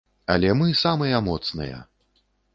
Але мы самыя моцныя.